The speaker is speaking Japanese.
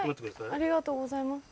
ありがとうございます。